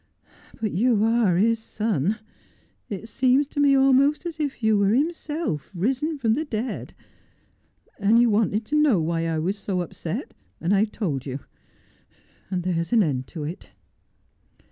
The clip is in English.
But you are his son. It seems to me almost as if you were himself, risen from the dead. And you wanted to know why I was so upset, and I have told you, and there's an end of it.'